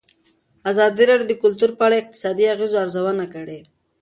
ازادي راډیو د کلتور په اړه د اقتصادي اغېزو ارزونه کړې.